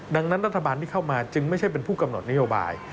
ดังนั้นรัฐบาลที่เข้ามาจึงไม่ใช่เป็นผู้กำหนดนโยบาย